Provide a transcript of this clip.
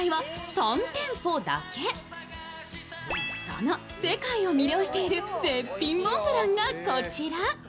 その世界を魅了している、絶品モンブランがこちら。